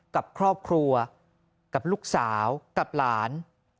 กับครอบครัวกับลูกสาวกับหลาน